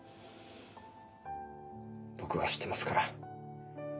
僕が知ってますから。